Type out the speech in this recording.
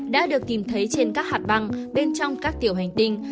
đã được tìm thấy trên các hạt băng bên trong các tiểu hành tinh